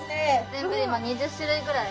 全部で今２０種類ぐらい。